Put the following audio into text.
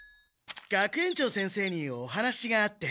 学園長先生にお話があって。